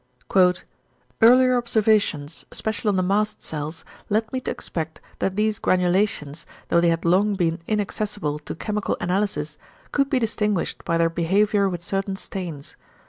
"Earlier observations, especially on the mast cells, led me to expect that these granulations, though they had long been inaccessible to chemical analysis, could be distinguished by their behaviour with certain stains.